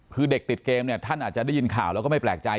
คือเด็กติดเกมเนี่ยท่านอาจจะได้ยินข่าวแล้วก็ไม่แปลกใจ